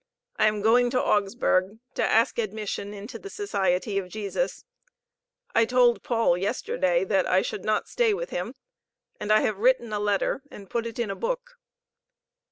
I am going to Augsburg' to ask admission into the Society of Jesus. I told Paul yesterday that I should not stay with him, and I have written a letter and put it in a book.